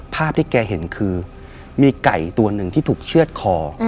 ภาพที่แกเห็นคือมีไก่ตัวหนึ่งที่ถูกเชื่อดคอ